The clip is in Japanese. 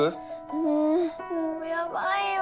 もうもうやばいよ。